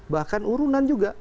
bahkan urunan juga